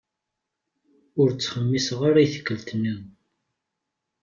Ur ttɣemmiseɣ ara i tikkelt- nniḍen.